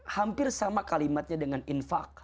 hampir sama kalimatnya dengan infak